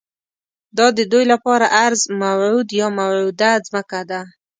دا ددوی لپاره ارض موعود یا موعوده ځمکه ده.